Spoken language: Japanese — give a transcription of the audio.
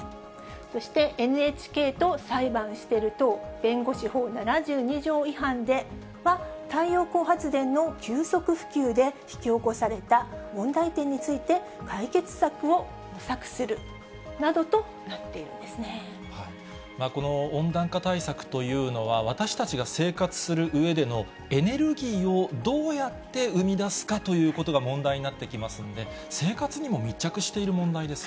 そして、ＮＨＫと裁判してる党弁護士法７２条違反では、太陽光発電の急速普及で引き起こされた問題点について、解決策を模索するなどとこの温暖化対策というのは、私たちが生活するうえでのエネルギーをどうやって生み出すかということが問題になってきますんで、生活にも密着している問題ですよ